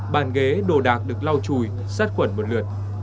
bàn ghế đồ đạc được lau chùi sát quẩn một lượt